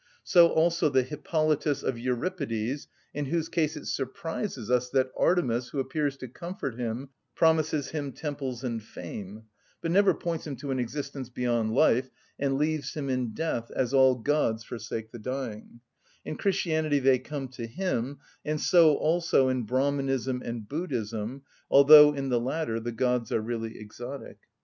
So also the Hippolytus of Euripides, in whose case it surprises us that Artemis, who appears to comfort him, promises him temples and fame, but never points him to an existence beyond life, and leaves him in death, as all gods forsake the dying:—in Christianity they come to him; and so also in Brahmanism and Buddhism, although in the latter the gods are really exotic.